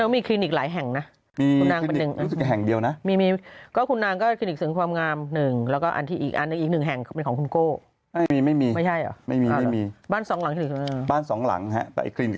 แล้วมีคลินิคหลายแห่งนะคุณนางเป็นหนึ่ง